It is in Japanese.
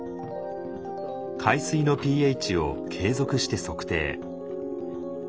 海水のｐＨを継続して測定。